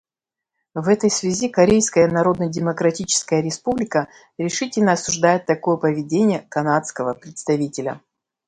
В этой связи Корейская Народно-Демократическая Республика решительно осуждает такое поведение канадского представителя.